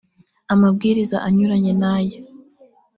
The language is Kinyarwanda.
amabwiriza anyuranye n aya